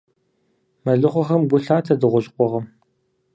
Мэлыхъуэхэм гу лъатэ дыгъужь къугъым.